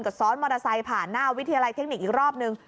ก็ซ้อนมอเตอร์ไซค์ผ่านหน้าวิทยาลัยเทคนิคอีกรอบนึง